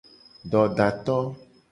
Dodato.